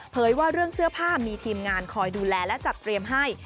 ว่าเรื่องเสื้อผ้ามีทีมงานคอยดูแลและจัดเตรียมให้